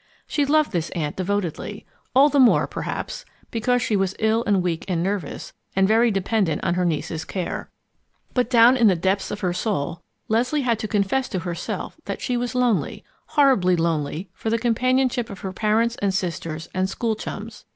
She loved this aunt devotedly, all the more perhaps because she was ill and weak and nervous and very dependent on her niece's care; but down in the depths of her soul, Leslie had to confess to herself that she was lonely, horribly lonely for the companionship of her parents and sisters and school chums.